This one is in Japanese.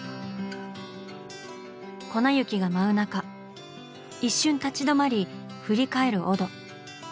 粉雪が舞う中一瞬立ち止まり振り返るオド。